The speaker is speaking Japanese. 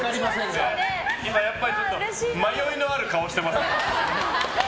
今やっぱり迷いのある顔してますね。